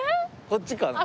こっちかな？